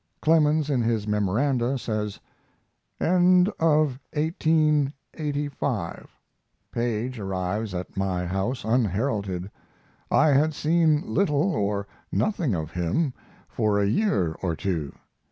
Clemens, in his memoranda, says: End of 1885. Paige arrives at my house unheralded. I had seen little or nothing of him for a year or two.